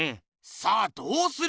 さあどうする？